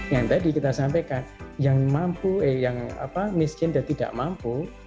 yang tadi kita sampaikan yang mampu yang miskin dan tidak mampu